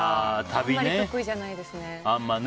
あんまり得意じゃないですね。